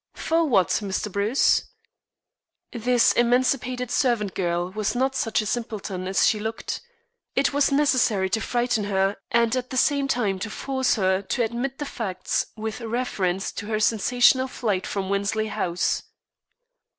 "For what, Mr. Bruce?" This emancipated servant girl was not such a simpleton as she looked. It was necessary to frighten her and at the same time to force her to admit the facts with reference to her sensational flight from Wensley House.